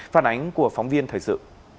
phản ánh của phóng viên thời sự